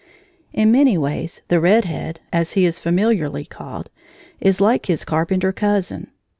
] In many ways the red head, as he is familiarly called, is like his carpenter cousin.